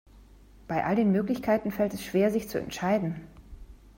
Bei all den Möglichkeiten fällt es schwer, sich zu entscheiden.